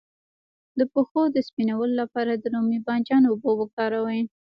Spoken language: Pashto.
د پښو د سپینولو لپاره د رومي بانجان اوبه وکاروئ